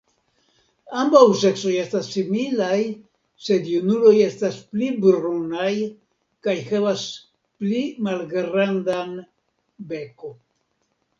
Ambaŭ seksoj estas similaj, sed junuloj estas pli brunaj kaj havas pli malgrandan beko.